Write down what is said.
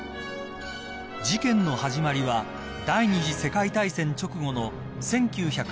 ［事件の始まりは第２次世界大戦直後の１９４５年］